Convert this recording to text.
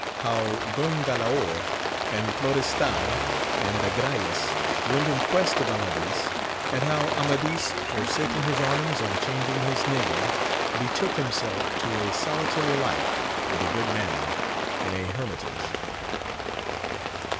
— How Don Gklaor and Florestan and Agrayes went in quest of Amadis, and how Amadis forsaking his arms and changing his name betook himself to a solitary life with a good man in a hermitage.